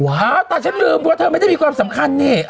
อ้าวแต่ฉันลืมว่าเธอไม่ได้มีความสำคัญนี่